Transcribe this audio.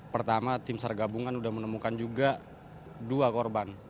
pertama tim sargabungan sudah menemukan juga dua korban